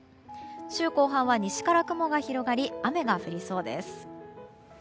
週後半は西から雲が広がり雨が降りそうです。